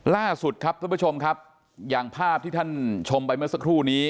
ล่าสุดครับท่านผู้ชมครับอย่างภาพที่ท่านชมไปเมื่อสักครู่นี้